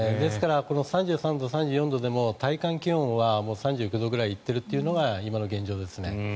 この３３度、３４度でも体感気温は３９度ぐらいいっているというのが今の現状です。